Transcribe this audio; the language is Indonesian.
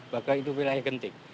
bahkan itu wilayah yang genting